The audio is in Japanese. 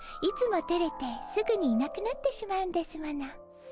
いつもてれてすぐにいなくなってしまうんですもの。